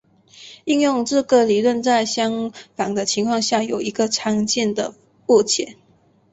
应用这个理论在相反的情况下有一个常见的误解。